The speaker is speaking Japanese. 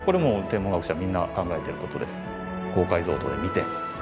これも天文学者はみんな考えてることです。